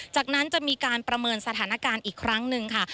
จากนั้นจะมีการประเมินสถานการณ์อีกครั้งหนึ่งค่ะ